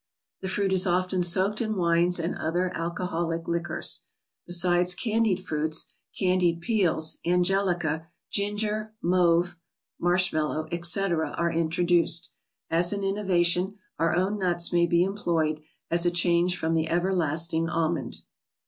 The fruit is often soaked in wines, and other alcoholic liquors. Besides candied fruits, candied peels, Angelica, ginger, mauve (Marshmallow), etc., are introduced. As an innovation, our own nuts may be employed, as a change from the ever¬ lasting almond.